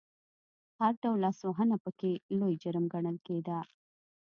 هر ډول لاسوهنه پکې لوی جرم ګڼل کېده.